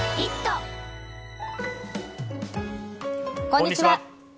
こんにちは。